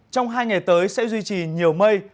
trong hai ngày tới sẽ duy trì nhiều mây